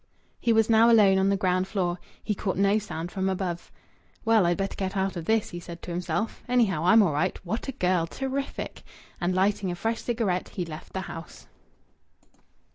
He was now alone on the ground floor. He caught no sound from above. "Well, I'd better get out of this," he said to himself. "Anyhow, I'm all right!... What a girl! Terrific!" And, lighting a fresh cigarette, he left the house.